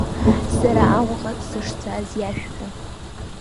Сара Аҟәаҟа сышцаз иашәҳәа.